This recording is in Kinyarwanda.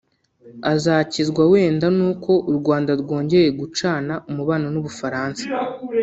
azakizwa wenda n’uko u rwanda rwongeye rugacana umubano n’ubufransa